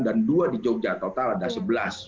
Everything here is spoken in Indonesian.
dan dua di jogja total ada sebelas